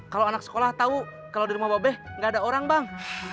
kalau anak sekolah tahu kalau di rumah bapak b gak ada orang bang